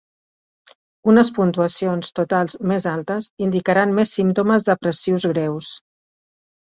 Unes puntuacions totals més altes indicaran més símptomes depressius greus.